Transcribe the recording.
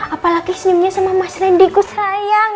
apalagi senyumnya sama mas rendyku sayang